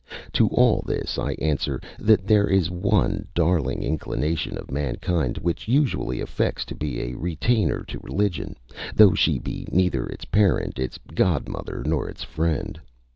To all this I answer, that there is one darling inclination of mankind which usually affects to be a retainer to religion, though she be neither its parent, its godmother, nor its friend.